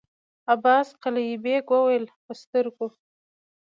عباس قلي بېګ وويل: په سترګو!